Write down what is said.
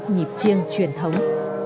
nhịp chiêng truyền thống